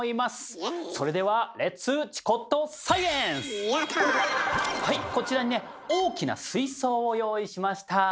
それでははいこちらにね大きな水槽を用意しました。